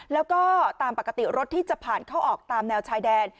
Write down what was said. แล้วก็ตามปกติรถที่จะผ่านเข้าออกตามแนวชายแดน